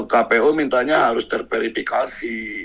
kpo mintanya harus terverifikasi